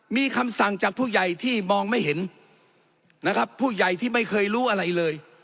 มีคำสั่งจากผู้ใหญ่ที่มองไม่เห็นนะครับผู้ใหญ่ที่ไม่เคยรู้อะไรเลย